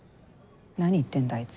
何言ってんだあいつ。